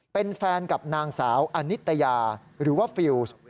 เป็นแฟนกับนางสาวอนิตยาหรือว่าฟิลส์